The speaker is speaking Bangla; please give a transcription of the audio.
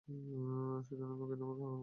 সে জন্য কি তুমি তাকে হুমকি দিছো?